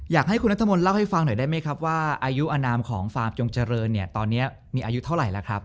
อยากให้คุณนัทมนต์เล่าให้ฟังหน่อยได้ไหมครับว่าอายุอนามของฟาร์มจงเจริญเนี่ยตอนนี้มีอายุเท่าไหร่แล้วครับ